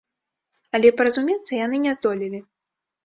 Але паразумецца яны не здолелі.